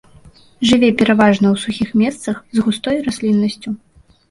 Жыве пераважна ў сухіх месцах, з густой расліннасцю.